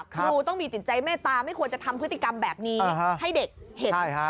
ครูต้องมีจิตใจเมตตาไม่ควรจะทำพฤติกรรมแบบนี้ให้เด็กเห็น